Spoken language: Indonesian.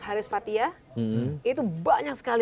haris fathia itu banyak sekali